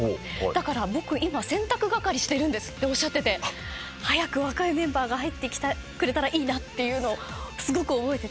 だから僕今洗濯係してるんですっておっしゃってて早く若いメンバーが入ってくれたらいいなっていうのすごく覚えてて。